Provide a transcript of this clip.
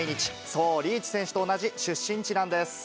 そう、リーチ選手と同じ出身地なんです。